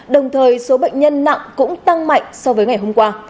đồng thời số bệnh nhân nặng cũng tăng mạnh so với ngày hôm qua